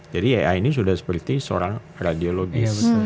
jadi ai ini sudah seperti seorang radiologi